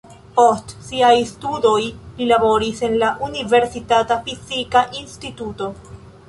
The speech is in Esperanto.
Post siaj studoj li laboris en la universitata fizika instituto.